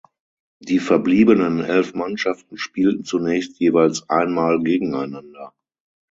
Die verbliebenen elf Mannschaften spielten zunächst jeweils einmal gegeneinander.